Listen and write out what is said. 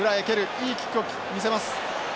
いいキックを見せます。